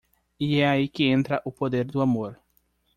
E é aí que entra o poder do amor.